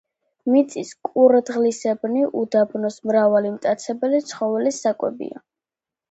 მიწის კურდღლისებრნი უდაბნოს მრავალი მტაცებელი ცხოველის საკვებია.